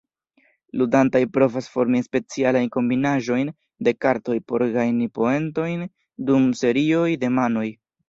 Ludantoj provas formi specialajn kombinaĵojn de kartoj por gajni poentojn dum serioj de manoj.